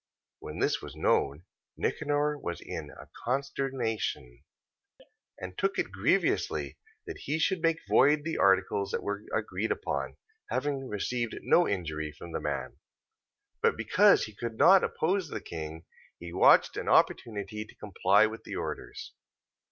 14:28. When this was known, Nicanor was in a consternation, and took it grievously that he should make void the articles that were agreed upon, having received no injury from the man. 14:29. But because he could not oppose the king, he watched an opportunity to comply with the orders.